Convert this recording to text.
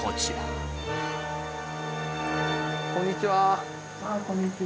ああこんにちは。